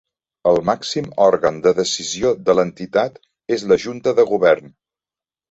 El màxim òrgan de decisió de l’Entitat és la Junta de Govern.